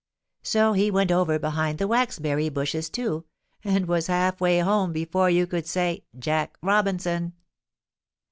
So he went over behind the waxberry bushes, too, and was half way home before you could say "Jack Robinson."